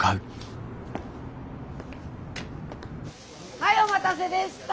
はいお待たせでした